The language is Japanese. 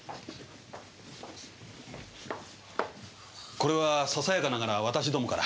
これはささやかながら私どもから。